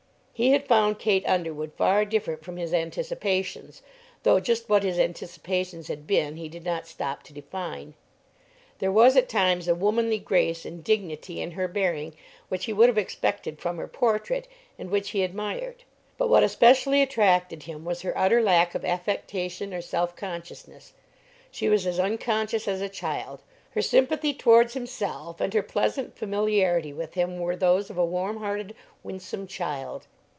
He had found Kate Underwood far different from his anticipations, though just what his anticipations had been he did not stop to define. There was at times a womanly grace and dignity in her bearing which he would have expected from her portrait and which he admired, but what especially attracted him was her utter lack of affectation or self consciousness. She was as unconscious as a child; her sympathy towards himself and her pleasant familiarity with him were those of a warm hearted, winsome child.